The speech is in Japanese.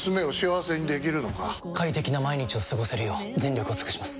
快適な毎日を過ごせるよう全力を尽くします！